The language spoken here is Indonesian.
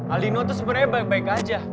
alino tuh sebenarnya baik baik aja